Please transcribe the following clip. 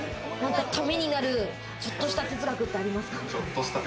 ためになる、ちょっとした哲学とかありますか？